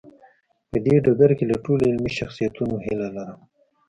په دې ډګر کې له ټولو علمي شخصیتونو هیله لرم.